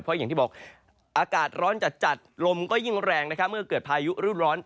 เพราะอย่างที่บอกอากาศร้อนจัดลมก็ยิ่งแรงเมื่อเกิดพายุหรือร้อน